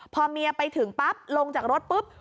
พอเมียไปถึงปั๊บลงจากรถปุ๊บ